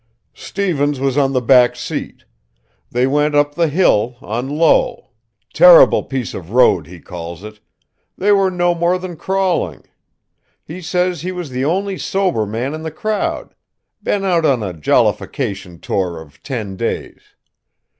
"Stevens was on the back seat. They went up the hill on low terrible piece of road, he calls it they were no more than crawling. He says he was the only sober man in the crowd been out on a jollification tour of ten days.